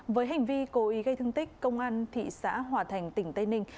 với hành vi cố ý gây thương tích công an thị xã hòa thành tỉnh tây ninh